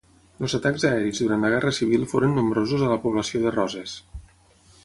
Els atacs aeris durant la Guerra Civil foren nombrosos a la població de Roses.